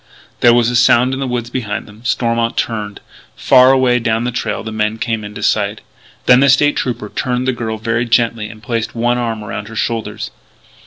There was a sound in the woods behind them. Stormont turned. Far away down the trail the men came into sight. Then the State Trooper turned the girl very gently and placed one arm around her shoulders.